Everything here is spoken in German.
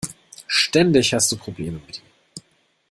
Ständig hast du Probleme mit ihm.